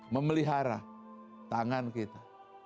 memelihara tangan kita